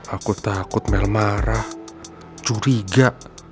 aku takut mel marah curiga